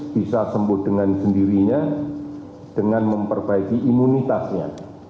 bisa sembuh dengan sendirinya dengan memperbaiki imunitasnya